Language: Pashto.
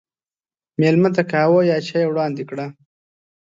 مېلمه ته قهوه یا چای وړاندې کړه.